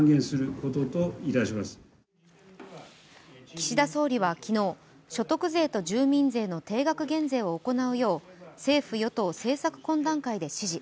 岸田総理は昨日、所得税と住民税の定額減税を行うよう政府与党政策懇談会で指示。